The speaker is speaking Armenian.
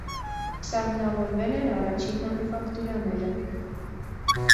Սաղմնավորվել են առաջին մանուֆակտուրաները։